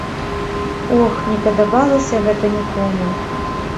Ох, не падабалася гэта нікому.